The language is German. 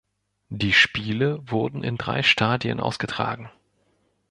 Die Spiele wurden in drei Stadien ausgetragen.